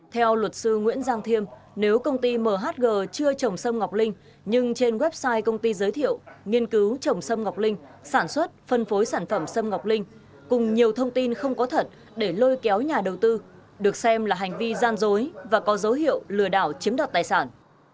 theo luật sư nguyễn giang thiêm nếu công ty mhg chưa trồng sâm ngọc linh nhưng trên website công ty giới thiệu nghiên cứu trồng sâm ngọc linh sản xuất phân phối sản phẩm sâm ngọc linh cùng nhiều thông tin không có thật để lôi kéo nhà đầu tư được xem là hành vi gian dối và có dấu hiệu lừa đảo chiếm đoạt tài sản